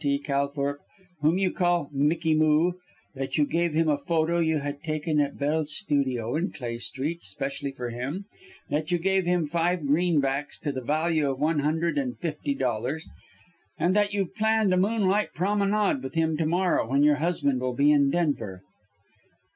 T. Calthorpe, whom you call 'Mickey moo'; that you gave him a photo you had taken at Bell's Studio in Clay Street, specially for him; that you gave him five greenbacks to the value of one hundred and fifty dollars, and that you've planned a moonlight promenade with him to morrow, when your husband will be in Denver?"